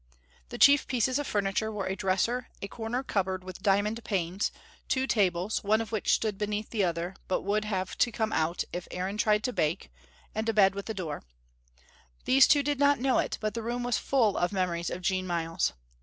The chief pieces of furniture were a dresser, a corner cupboard with diamond panes, two tables, one of which stood beneath the other, but would have to come out if Aaron tried to bake, and a bed with a door. These two did not know it, but the room was full of memories of Jean Myles.